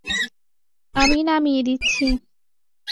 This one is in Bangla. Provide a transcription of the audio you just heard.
আমি নামিয়ে দিচ্ছি।